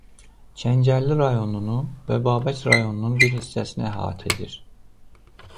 Kəngərli rayonunu və Babək rayonunun bir hissəsini əhatə edir.